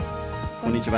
こんにちは。